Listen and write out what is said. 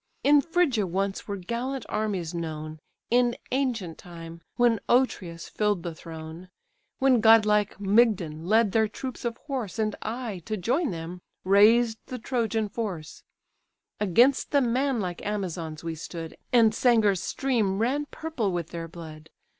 In Phrygia once were gallant armies known, In ancient time, when Otreus fill'd the throne, When godlike Mygdon led their troops of horse, And I, to join them, raised the Trojan force: Against the manlike Amazons we stood, And Sangar's stream ran purple with their blood.